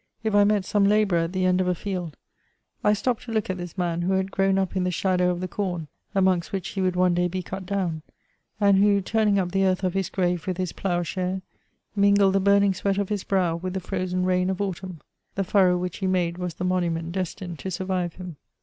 If I met some labourer at the end of a field, I stopped to look at this man who had grown up in the shadow of the com amongst which he would one day be cut down, and who, turning up the earth of his grave with his ploughshare, mingled the burning sweat of his brow with the frozen rain of autumn ; the furrow which he made was the monument destined to survive him.